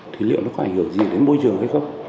thì liệu nó có ảnh hưởng gì đến môi trường hay không